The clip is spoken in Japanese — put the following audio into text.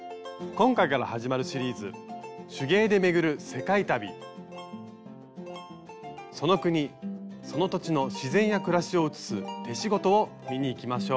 今回から始まるシリーズその国その土地の自然や暮らしをうつす手仕事を見にいきましょう。